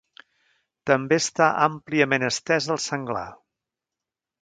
També està àmpliament estès el senglar.